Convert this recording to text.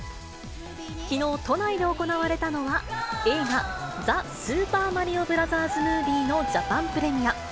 きのう、都内で行われたのは、映画、ザ・スーパーマリオブラザーズ・ムービーのジャパンプレミア。